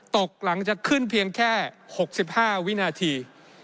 ตกหลังจากขึ้นเพียงแค่๖๕วินาที